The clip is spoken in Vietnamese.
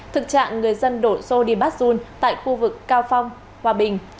thực trạng người dân đổ xô đi bắt run tại khu vực cao phong hòa bình